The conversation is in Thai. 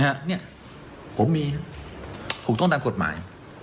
เนี่ยผมมีถูกต้องตามกฎหมาย